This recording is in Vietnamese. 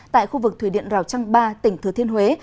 tại khu vực thủy điện rào trăng ba tỉnh thừa thiên huế